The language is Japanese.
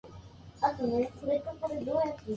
となりのトトロをみる。